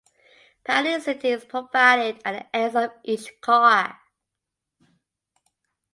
Priority seating is provided at the ends of each car.